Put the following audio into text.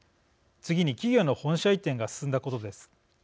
次に企業の本社移転が進んだことです。